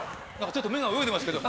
ちょっと目が泳いでますけど。